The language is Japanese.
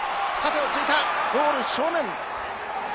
縦を突いた、ゴール正面。